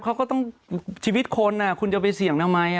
เขาก็ต้องชีวิตคนคุณจะไปเสี่ยงทำไม